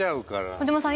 児嶋さん